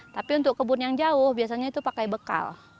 tapi untuk kebun yang jauh biasanya itu pakai bekal